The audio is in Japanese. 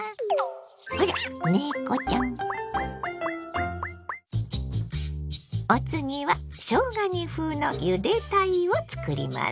あら猫ちゃん！お次はしょうが煮風のゆで鯛を作ります。